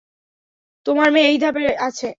তোমার মেয়ে এই ধাপে আছে।